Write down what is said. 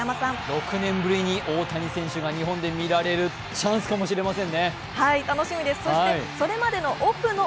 ６年ぶりに大谷選手が日本で見られるチャンスかもしれませんね。